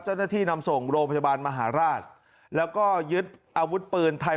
เจ้าหน้าที่นำส่งโรพยาบาลมหาราชแล้วก็ยึดอาวุธปืนไทย